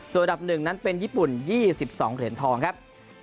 ส่วนอันดับ๑นั้นเป็นญี่ปุ่น๒๒เหรียญทองครับ